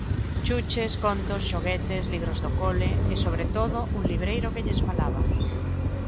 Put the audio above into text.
Chuches, contos, xoguetes, libros do cole... e, sobre todo, un libreiro que lles falaba.